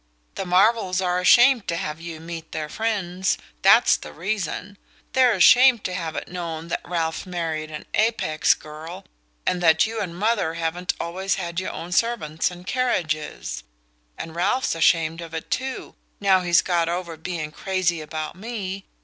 The Marvells are ashamed to have you meet their friends: that's the reason. They're ashamed to have it known that Ralph married an Apex girl, and that you and mother haven't always had your own servants and carriages; and Ralph's ashamed of it too, now he's got over being crazy about me.